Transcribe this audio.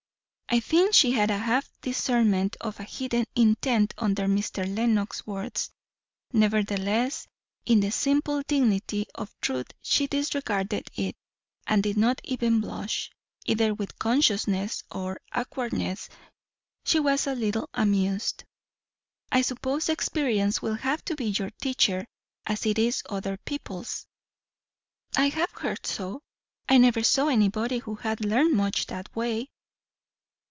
I think she had a half discernment of a hidden intent under Mr. Lenox's words; nevertheless in the simple dignity of truth she disregarded it, and did not even blush, either with consciousness or awkwardness. She was a little amused. "I suppose experience will have to be your teacher, as it is other people's." "I have heard so; I never saw anybody who had learned much that way."